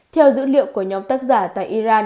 theo dữ liệu của nhóm tác giả tại iran